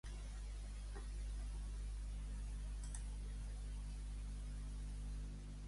Quan va començar Curiosity?